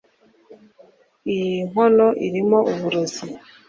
r iyi nkono irimo uburozi